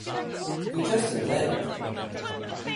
Dwi jyst yn dweud.